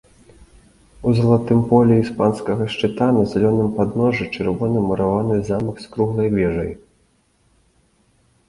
У залатым полі іспанскага шчыта на зялёным падножжы чырвоны мураваны замак з круглай вежай.